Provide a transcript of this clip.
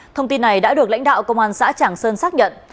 thông tin này đã được lãnh đạo công an xã tràng sơn xác nhận